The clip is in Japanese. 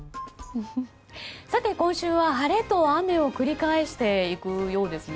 今週は晴れと雨を繰り返していくようですね。